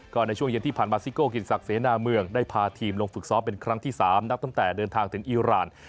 ก็ในช่วงเย็นที่ผ่านมาซิโก้กิจศักดิ์เสนาเมืองได้พาทีมลงฝึกซ้อมเป็นครั้งที่๓นับตั้งแต่เดินทางถึงอีราน